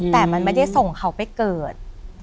แต่มันไม่ได้ส่งเขาไปเกิด